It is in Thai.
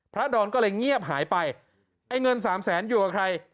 ดอนก็เลยเงียบหายไปไอ้เงินสามแสนอยู่กับใคร